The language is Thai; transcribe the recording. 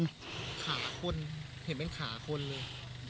ขาคนเห็นเป็นขาคนเลย